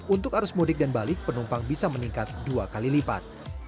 untuk arus mudik dan balik penumpang bisa meningkat dua kali lipat